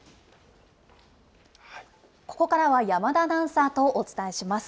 ここからは山田アナウンサーとお伝えします。